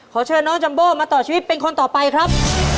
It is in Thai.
ขอเชิญน้องจัมโบมาต่อชีวิตเป็นคนต่อไปครับ